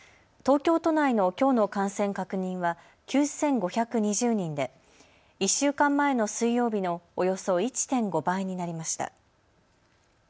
東京都内のきょうの感染確認は９５２０人で１週間前の水曜日のおよそ１．５倍になりました。